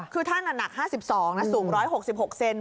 คือท่านหนัก๕๒นะสูง๑๖๖เซน